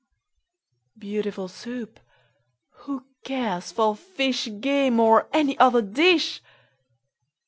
Beautiful Soup! Who cares for fish, Game, or any other dish?